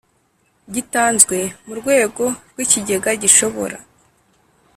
Gitanzwe mu rwego rw ikigega gishobora